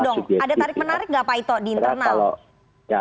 ada tarik menarik nggak pak ito di internal